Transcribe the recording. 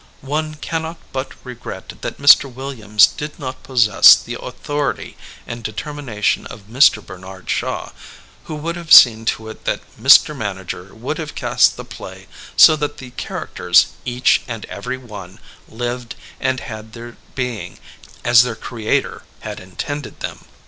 One cannot but regret that Mr. Williams did not possess the authority and determination of Mr. Bernard Shaw, who would have seen to it that Mr. Manager would have cast the play so that the characters, each and every one, lived and had their being as their creator had intended them.